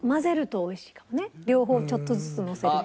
両方ちょっとずつのせると。